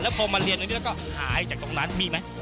พอมาเรียนตรงนี้แล้วก็หายจากตรงนั้นมีไหม